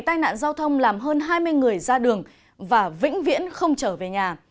tai nạn giao thông làm hơn hai mươi người ra đường và vĩnh viễn không trở về nhà